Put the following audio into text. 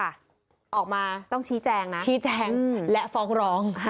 ออกมาต้องชี้แจงนะชี้แจงและฟ้องร้อง